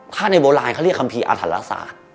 ถ้าในโบราณเขาเรียกคัมภีร์อาถรรศาสตร์